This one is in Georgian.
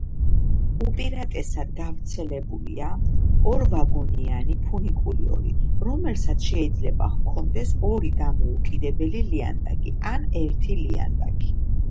უპირატესად გავრცელებულია ორვაგონიანი ფუნიკულიორი, რომელსაც შეიძლება ჰქონდეს ორი დამოუკიდებელი ლიანდაგი ან ერთი ლიანდაგი.